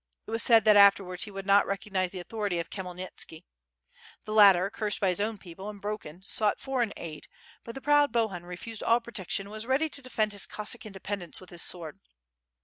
It was said that afterwards he would not recognize the authority of Khmyelnitski. The latter, cursed by his own people, and broken sought foreign aid, but the proud Bohun refused all protection and was ready to defend his Cossa<ik independence with his sword.